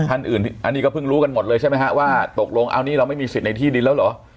ท่านอื่นอันนี้ก็เพิ่งรู้กันหมดเลยใช่ไหมฮะว่าตกลงเอานี่เราไม่มีสิทธิ์ในที่ดินแล้วเหรอ